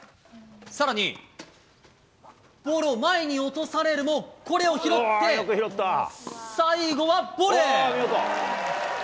さらに、ボールを前に落とされるも、これを拾って最後はボレー。